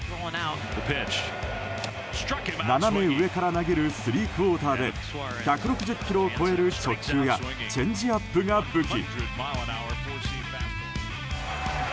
斜め上から投げるスリークオーターで１６０キロを超える直球やチェンジアップが武器。